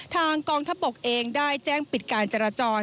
ทางกองทัพบกเองได้แจ้งปิดการจราจร